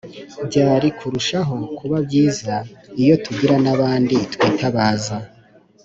Byari kurushaho kuba byiza iyo tugira n'abandi twitabaza